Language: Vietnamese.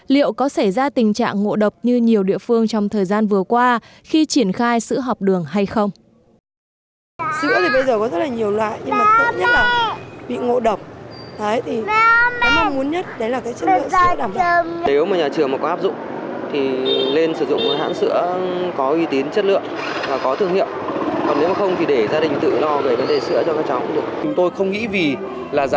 liệu có xảy ra tình trạng ngộ độc như nhiều địa phương trong thời gian vừa qua khi triển khai sữa học đường hay không